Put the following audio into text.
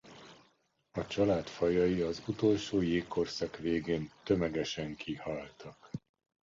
A család fajai az utolsó jégkorszak végén tömegesen kihaltak.